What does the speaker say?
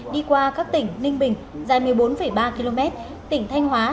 đi qua các tỉnh ninh bình dài một mươi bốn ba km tỉnh thanh hóa